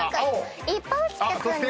いっぱい落ちてくんだ。